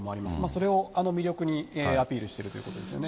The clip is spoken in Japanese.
それを魅力にアピールしてるということですね。